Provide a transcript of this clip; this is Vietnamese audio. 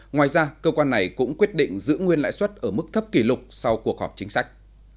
ngoài ra cơ quan này cũng quyết định giữ nguyên lãi suất ở mức thấp kỷ lục sau cuộc họp chính sách